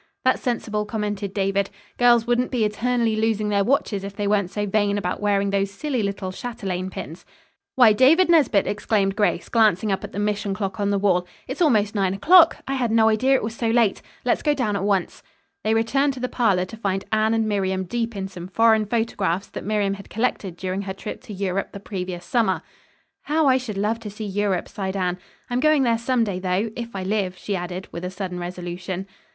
"That's sensible," commented David. "Girls wouldn't be eternally losing their watches if they weren't so vain about wearing those silly little châtelaine pins." "Why, David Nesbit!" exclaimed Grace, glancing up at the mission clock on the wall. "It's almost nine o'clock! I had no idea it was so late. Let's go down at once." They returned to the parlor to find Anne and Miriam deep in some foreign photographs that Miriam had collected during her trip to Europe the previous summer. "How I should love to see Europe," sighed Anne. "I'm going there some day, though, if I live," she added with a sudden resolution.